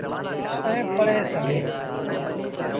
ائيٚݩ پڙهي سگھيٚن۔